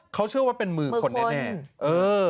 เขาเชื่อว่าเป็นมือคนแน่เออ